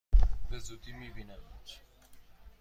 به زودی می بینمت!